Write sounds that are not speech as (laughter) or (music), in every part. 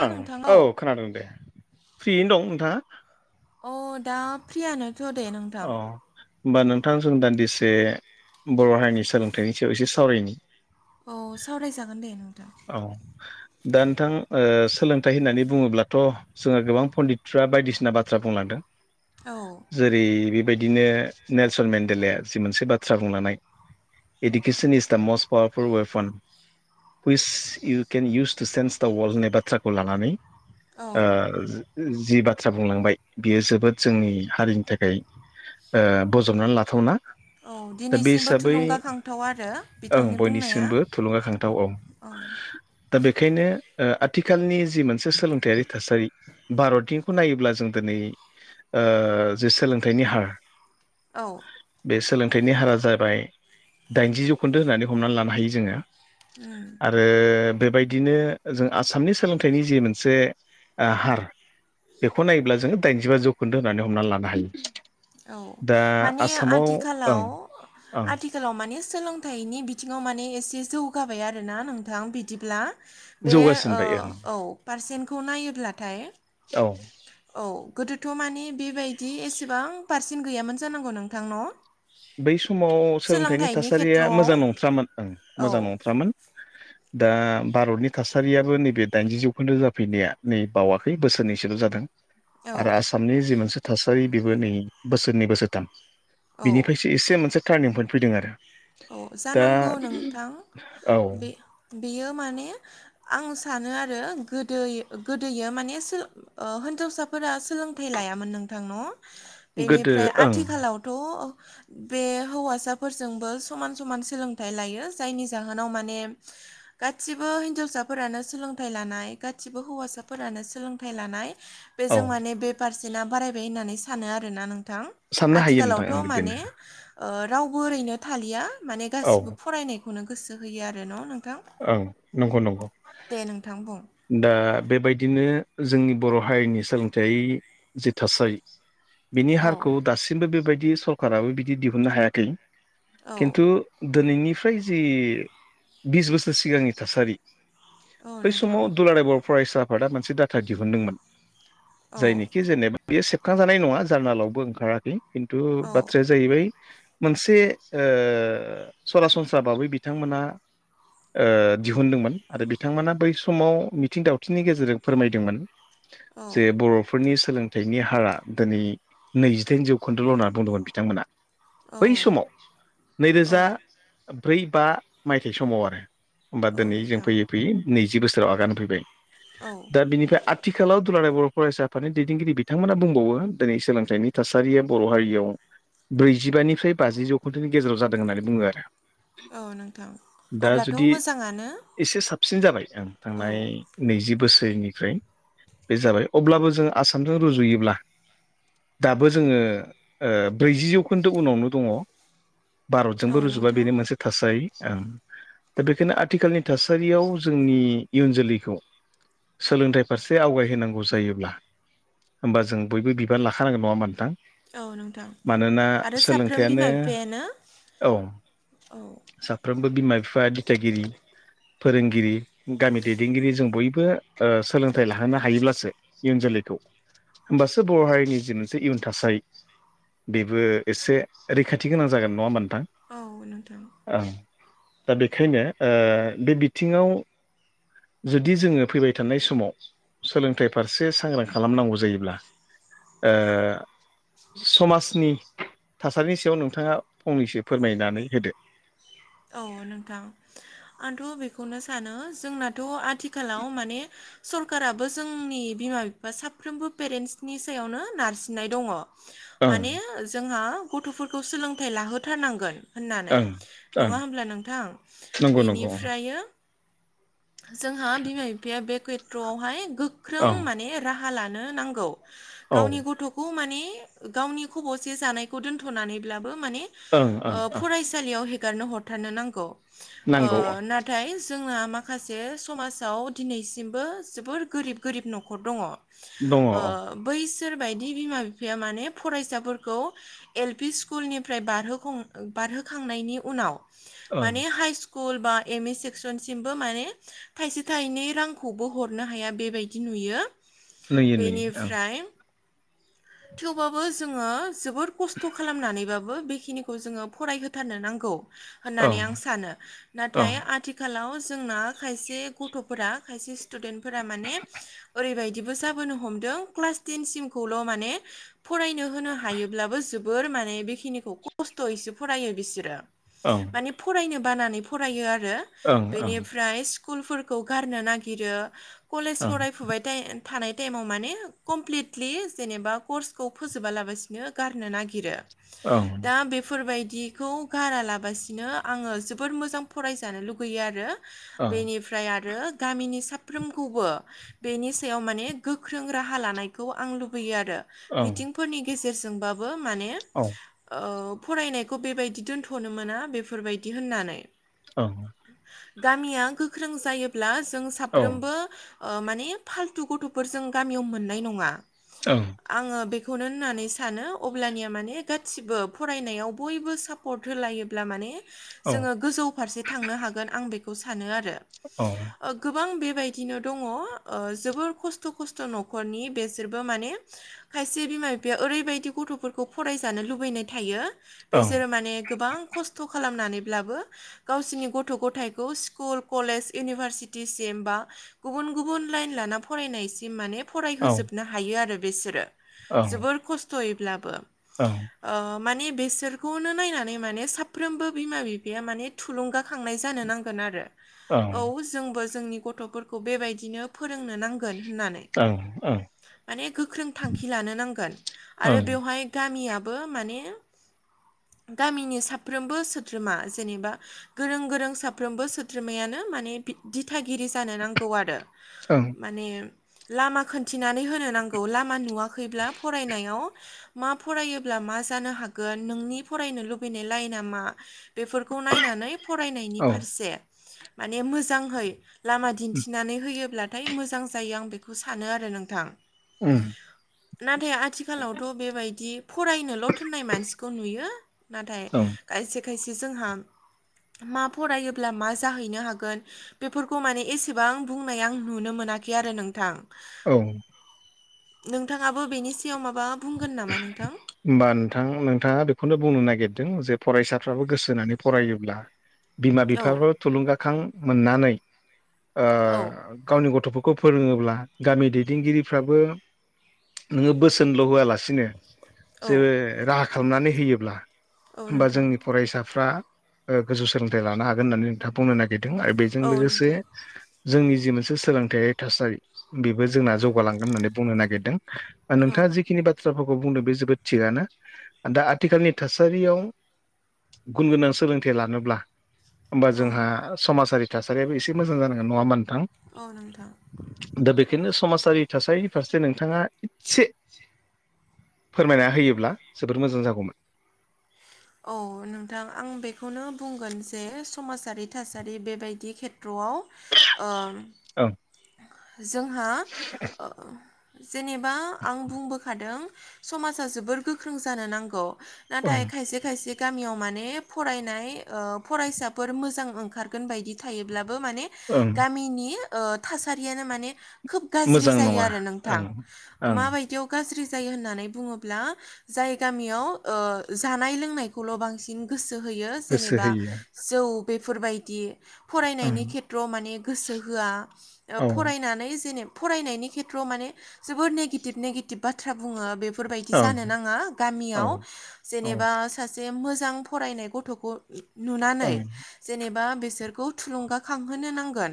ना ओं नोंथां औ खोनादों दे फ्रियैनो दं नोंथाङा अ दा फ्रियानोथ' दे नोंथां औ होमबा नोंथांजों दान्दिसे बर' हारिनि सोलोंथाइनि सायाव एसे सावरायनि औ सावरायजागोन दे नोंथां औ दा नोंथां ओ सोलोंथाइ होननानै बुङोब्लाथ' जोङो गोबां पण्डितफ्रा बायदिसिना बाथ्रा बुंलांदों औ जेरै बेबायदिनो नेलसन मेन्डेलाया जि मोनसे बाथ्रा बुंलांनाय education is the most powerful weapon which you can use to change the world होननाय बाथ्राखौ लानानै औ ओ जि बाथ्रा बुंलांबाय बियो जोबोद जोंनि हारिनि थाखाय बजबनानै लाथावना। औ दा बे दिनैसिमबो हिसाबै थुलुंगाखांथाव आरो ओं बिथांनि बुंनाया। बयनिसिमबो थुलुंगाखांथाव औ दा बेखायनो ओ आथिखालनि जि मोनसे सोलोंथायारि थासारि भारतनिखौ नायोब्ला जों दोनै जे सोलोंथाइनि हार औ बे सोलोंथाइनि हारा जाबाय दाइनजि जौखोन्दो होननानै हमनानै लानो हायो जोङो। आरो बेबायदिनो जों आसामनि सोलोंथाइनि जि मोनसे हार बेखौ नायोब्ला जोङो दाइनजिबा जौखोन्दो होनानै हमनानै लानो हायो। औ दा माने आसामाव ओं आथिखालाव ओं आथिखालाव माने सोलोंथाइनि बिथिङाव माने एसे जौगाबाय आरोना नोंथां बिदिब्ला। बे जौगासिनबाय ओं औ पारसेन्टखौ नायोब्लाथाय औ (inaudible) औ गोदोथ' मानि बेबायदि एसेबां पारसेन्ट गैयामोन जानांगौ नोंथांनाव। बै समाव सोलोंथाइनि थासारिया खेथ्रआव मोजां नंथ्रामोन ओं मोजां औ नंथ्रामोन दा भारतनि थासारियाबो नैबे दाइनजि जौखोन्दो जाफैनाया नै बावाखै बोसोरनैसोल' जादों। औ आरो आसामनि जि मोनसे थासारि बेबो नै बोसोरनै बोसोरथाम औ बिनिफ्रायसो एसे मोनसे टार्निं पइेन्ट फैदों आरो। अ दा जानांगौ नोंथां औ बे बेयो माने आं सानो आरो गोदोयो गोदोयो माने सोलों ओ होनजावसाफोरा सोलोंथाइ लाया लायामोन नोंथां न'? गोदो बेनिफ्राय ओं आथिखालावथ' बे हौवासाफोरजोंबो समान समान सोलोंथाइ लायो जायनि जाहोनाव माने गासिबो हिनजावसाफोरानो सोंलों सोलोंथाइ लानाय गादसिबो हौवासाफोरानो सोलोंथाइ लानाय औ बेजों माने बे पारसेना बारायबाय होननानै सानो आरोना नों थां साननो हायो नोंथां ओं आथिखालावथ' बिदिनो माने ओ रावबो ओरैनो थालिया माने औ गासिबो फरायनायखौनो गोसो होयो आरो न' नों ओं नंगौ नंगौ नोंथां बुं दा बेबायदिनो जोंनि बर' हारिनि सोलोंथाइ जे थासारि बिनि औ हारखौ दासिमबो बेबायदि सरकाराबो बिदि दिहुननो हायाखै औ खिन्थु दोनैनिफ्राय जि बिस बोसोर सिगांनि थासारि औ बै नोंथां समाव दुलाराय बर' फरायसा आफादा मोनसे डाटा दिहुनदोंमोन। औ जायनिखि जेनेबा बेयो सेबखांजानाय नङा जार्नालावबो ओंखाराखै। खिन्थु औ बाथ्राया जाहैबाय मोनसे ओ सरासनस्रा बाबै बिथांमोनहा ओ दिहुनदोंमोन आरो बिथांमोना बै समाव मिथिं दावथिंनि गेजेरजों फोरमायदोंमोन। औ जे बर'फो फोरनि सोलोंथाइनि हारा दोनै नैजिदाइन जौखोन्दोल' होनना बुंदोंमोन बिथांमोना। बै औ समाव नैरोजा ब्रै बा मायथाइ समाव आरो होमबा औ दोनै जों नोंथां फैयै फैयै नैजि बोसोराव आगान होफैबाय। औ दा बिनिफ्राय आथिखालाव दुलाराय बर' फरायसा आफादनि दैदेनगिरि बिथांमोना बुंबावो दोनै सोलोंथाइनि थासारिया बर' हारियाव ब्रैजिबानिफ्राय बाजि जौखोनदोनि गेजेराव जादों होननानै बुङो आरो। औ नोंथां अब्ला दि एसे साबसिन जाबाय ओं औ थांनाय नैजि बोसोरनिफ्राय बे जाबाय अब्लाबो जों आसामजों रुजुयोब्ला दाबो जोङो ओ ब्रैजि जौखोन्दो उनावनो दङ। औ भारतजोंबो रुजुबा नोंथां बेनि मोनसे थासारि ओं दा बेखायनो आथिखालनि थासारियाव जोंनि इयुन जोलैखौ सोलोंथाइ फारसे आवगायहोनांगौ जायोब्ला होमबा जों बयबो बिबान लाखानांगोन नङा होमबा नोंथां? औ नोंथां मानोना आरो साफ्रोम सोलोंथाइयानो बिमा बिफायानो औ फ्रोमबो बिमा बिफा दिथागिरि फोरोंगिरि गामि दैदेनगिरि जों बयबो ओ सोलोंथाइ लाहोनो हायोब्लासो इयुन जो लैखौ होमबासो बर' हारिनि जि मोनसे इयुन थासारि बेबो एसे रैखाथि गोनां जागोन नङा होमबा नोंथां औ नोंथां। ओंखायनो ओ बे बिथिङाव जुदि जोङो फैबाय थानाय समाव सोलोंथाइ फारसे सांग्रां खालामनांगौ जायोब्ला ओ समाजनि थासारिनि सायाव नोंथाङा फंनैसो फोरमायनानै होदो। औ नोंथां आंथ' बेखौनो सानो जोंनाथ' आ थिखालाव माने सरकाराबो जोंनि बिमा बिफा साफ्रोमबो पेरेन्टसनि सायावनो नारसिननाय दङ। ओं माने जोंहा गथ'फोरखौ सोलोंथाइ लाहोथारनांगोन होननानै। ओं ओं नङा होमब्ला नोंथां नंगौ नंगौ बेनिफ्रायो जोंहा बिमा बिफाया बे केत्रआवहाय गोख्रों ओं माने रा हा लानो नांगौ औ ओं गावनि गथ'खौ माने गावनि खबसे जानायखौ दोनथनानैब्लाबो माने ओ ओं ओं फरायसालियाव हे गारना हरथारनो नांगौ। नांगौ ओं ओ‌ नाथाय जोंना माखासे समासाव दिनैसिमबो जोबोर गोरिब गोरिब न'खर दङ'। दङ ओं ओ बैस सोरबायदि बिमा बिफाया माने फरायसाफोरखौ एल पि स्कुलनिफ्राय बारहो हं बारहो खांनायनि उनाव ओं माने हाइस कुल बा एम ए सेक्सनसिमबो माने थाइसे थाइनै रांखौबो हरनो हाया बेबायदि नुयो नुयो नुयो बेनिफ्राय थेवबाबो जोङो जोबोद खस्थ' खालामनानैबाबो बे खिनिखौ जोङो फरायहोथारनो नांगौ ओं होननानै आं सानो। ओं नाथाय आथिखालाव जोंना खायसे गथ'फोरा खायसे स्टुदेन्ट फोरा माने ओरैबायदिबो जाबोनो हमदो दों क्लास टेन सिमखौल' माने फरायनो होनो हायोब्लाबो जोबोर माने बेखिनिखौ खस्थ'यैसो फरायो बिसोरो। ओं माने फरायनो बानानै फरायो आरो ओं ओं बेनिफ्राय स्कुल फोर खौ गारनो नागिरो कलेज ओं फरायफुबाय थाइ थानाय टाइमाव माने कमप्लिटलि जेनेबा कर्सखौ फोजोबालाबसिनो गारनो नागिरो। ओं दा बेफोरबाय दिखौ गारा लाबासिनो आङो जोबोर मोजां फरायजानो लुगैयो आरो। बेनिफ्राय आरो गामिनि साफ्रोमखौबो बेनि सायाव माने गोख्रों राहा लानायखौ आं लुबैयो आरो। ओं मिथिंफोरनि गेजेरजोंबाबो माने ओ फरायनायखौ बेबायदि दोनथ'नो मोना बेफोरबायदि होननानै औ गामिया गोख्रों जायोब्ला जों ओं साफ्रोमबो ओ माने फालथु गथ'फोरजों गामियाव मोननाय नङा। औ आङो बेखौनो होननानै सानो अब्लानिया माने गासिबो फरायनायाव बयबो सापर्ट हो- लायोब्ला माने जोङो गोजौ फारसे थांनो हागोन आं बेखौ सानो आरो। ओ गोबां बे बायदिनो दङ' ओ जोबोर खस्थ' खस्थ' न'खरनि बेसोरबो माने खायसे बिमा बिफाया ओरैबायदि गथ'फोरखौ फरायजानो लुबैनाय थायो बेसोरो माने गोबां खस्थ' खालामनानैब्लाबो गावसिनि गथ' गथाय खौ स्कुल कलेज इउनिभारसिटिसिम बा गुबुन गुबुन लाइन लाना फरायनायसिम माने औ ओं औ ओं औ ओं फरायहोजोबनो हायो आरो बिसोरो ओं जोबोर खस्थ'यैब्लाबो। ओ माने बेसोरखौनो नायनानै माने साफ्रोमबो बिमा बिफाया माने थुलुंगाखांनाय जानो नांगोन आरो औ जोंबो जोंनि गथ'फोरखौ बेबायदिनो फोरोंनो नांगोन होननानै ओं माने गोख्रों थांखि लानो नांगोन ओं आरो बेवहाय गामियाबो माने गामिनि साफ्रोमबो सोद्रोमा जेनेबा गोरों गोरों साफ्रोमबो सोद्रोमायानो माने दिथागि गिरि जानो नांगौ आरो ओं माने लामा खोनथिनानै होनो नांगौ औ लामा नुवाखैब्ला फरायनायाव मा फरायोब्ला मा जानो हागोन नोंनि फरायनो लुबैनाय लाइना मा बेफोरखौ नायनानै फरायनायनि औ उम ओं फारसे माने मोजाङै लामा दिन्थिनानै होयोब्लाथाय मोजां जायो आं बेखौ सानो आरो नोंथां उम नाथाय आथिखालावथ' बेबायदि फरायनोल' थोननाय मानसिखौ नुयो नाथाय औ खायसे खायसे जोंहा मा फरायोब्ला मा जाहैनो हागोन बेफोरखौ माने एसेबां बुंनाय आं नुनो मोना- खै आरो नोंथां। औ नोंथाङाबो बेनि सायाव माबा बुंगोन नामा नोंथां होमबा नोंथां नोंथाङा बेखौनो बुंनो नागिरदों जे फरायसाफ्राबो गोसो होनानै फरायोब्ला बिमा औ बिफाफ्राबो थुलुंगाखां मोननानै ओ औ गावनि गथ'फोरखौ खौ फोरोङोब्ला गामि दैदेनगिरिफ्राबो नोङो बोसोनल' होआलासे सिनो औ जेबो राहा खालामनानै होयोब्ला औ होमबा नोंथां जोंनि फरायसाफ्रा ओ गोजौ सोलोंथाइ लानो हागोन होननानै नोंथाङा बुंनो नागिरदों आरो बेजों औ लोगोसे नोंथां जोंनि जि मोनसे सोलोंथाइयारि थासारि बेबो जोंना जौगालांगोन होननानै बुंनो नागिरदों औ नोंथाङा जि बाथ्राफोरखौ बुंनो बे जोबोद थिगनो दा आथिखालनि थासारियाव गुन गोनां सोलोंथाइ लानोब्ला होमबा औ जोंहा समाजारि थासारियो एसे मोजां जानांगोन नङा होनबा नों औ नोंथां दा बेखायनो समाजारि थासारिनि फारसे नोंथाङा एसे फोरमायना होयोब्ला जोबोर मोजां जागौमोन औ नोंथां आं बेखौनो बुंगोन जे समाजारि थासारि बेबायदि खे (unintelligible) ओम ओं जोंहा ओ जेनेबा आं बुंबोखादों समाजा जोबोर गोख्रों जानो नांगौ ओं नाथाय खायसे खायसे गामियाव माने फरायनाय ओ फरायसाफोर मोजां ओंखारगोन बायदि थायोब्ला ओ मान ओं गामिनि ओ थासारियानो माने खोब गाज्रि मोजां जायो नङा आरो नोंथां ओं ओं माबायदियाव गाज्रि जायो होननानै बुङोब्ला जाय गामियाव ओ जानाय लोंनायखौल' बांसिन गोसो सो होयो गोसो जेनेबा होयो जौ बेफोरबायदि फरायनायनि ओं खेथ्रआव माने गोसो होआ औ फरायनानै जेने फरायनायनि खेत्आव माने जोबोर नेगेतिप नेगेटिप बाथ्रा बुङो बे फोरबायदि ओं जानो नाङा औ गामियाव औ जेनेबा सा से मोजां फरायनाय गथ'खौ नुनानै ओं जेनेबा बेसोरखौ थुलुंगाखांहोनो नांगोन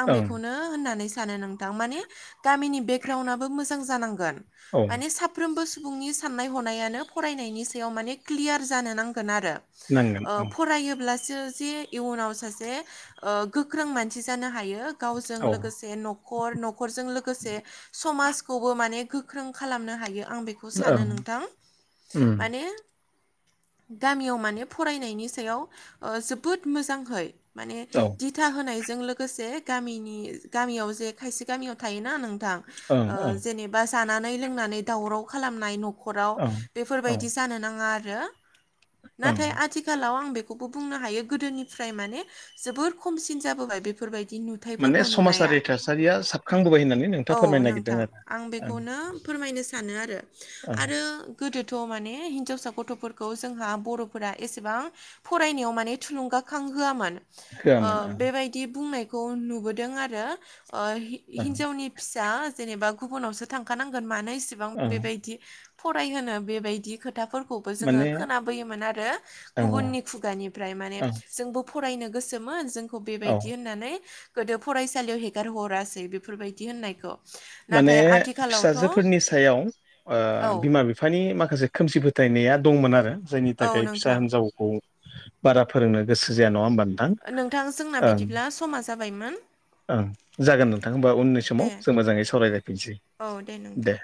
आं ओं बेखौ होननानै सानो नोंथां माने गामिनि बेकगारावन मोजां जांगोन औ माने साफ्रोमबो सुबुंनि साननाय हनायानो फरायनायनि सायाव माने क्लियार जानो नां गोन आरो नांगोन ओ ओं फरायोब्ला सो जे इयुनाव सासे ओ गोख्रों मानसि जानो हायो गावजों औ लोगोसे न'खर न'खरजों लोगोसे समाज खौबो माने गोख्रों खालामनो हायो आं बेखौ सानो ओं नोंथां उम माने गामियाव माने फरायनायनि सायाव जोबोद मोजांहै माने औ दिथा होनायजों लोगोसे गामिनि गामियाव जे खायसे गामियाव थायोना नों थां ओं ओ ओं जेनेबा जानानै लोंनानै दावराव खालामनाय न' खराव ओं औ बेफोरबायदि जानो नाङा आरो नाथाय ओं आथिखालाव आं बे खौबो बुंनो हायो गोदोनिफ्राय माने जोबोर खमसिन जाबोबाय बेफोरबायदि माने नुथफोरखौ नुनाया समाजारि थासारिया साबखांबोबाय होननानै औ नोंथाङा फोरमायनो नागिरदों नोंथां आरो आं ओं बेखौनो फोरमायनो सानो आरो ओं आरो गोदोथ' माने हिनजावसा गथ'फोरखौ जोंहा बर'फोरा एसेबां फरायनायाव माने थुलुंगा खांहोआमोन ओ होआमोन ओं बेबायदि बुंनायखौ नुबोदों आरो ओ ओं हिनजावनि फिसा जेनेबा गुबुनावसो थांखानांगोन मा मानो इसेबां ओं बेबायदि फरायहोनो बेबायदि खोथाफोर खौबो जोङो माने खोनाबोयोमोन आरो ओं गुबुननि खुगानिफ्राय माने औ जोंबो फरायनो गोसोमोन जोंखौ औ बेबायदि होननानै गोदो फरायसालियाव हेगारहरासै बेफोरबायदि होननायखौ माने नाथाय आथिखालावथ' फिसाजोफोरनि सायाव औ ओ बिमा बिफानि माखासे खोमसि फोथायनाया दंमोन आरो जायनि औ थाखाय फिसा नोंथां हिनजावखौ बारा फोरोंनो गोसो जाया नङा होमबानो नोंथां जोंना बिदिब्ला समा जाबायमोन ओं जागोन नोंथां होमबा उननि दे समाव जों मोजाङै सावरायलायफिननोसै औ दे नोंथां